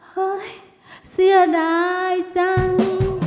เฮ้ยเสียดายจัง